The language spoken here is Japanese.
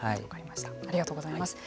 ありがとうございます。